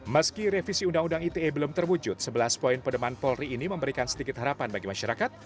meski revisi undang undang ite belum terwujud sebelas poin pedoman polri ini memberikan sedikit harapan bagi masyarakat